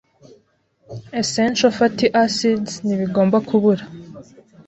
essential fatty acids ntibigomba kubura